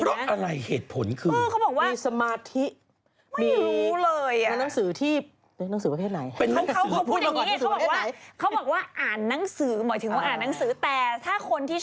เพราะอะไรเหตุผลคือมีสมาธิ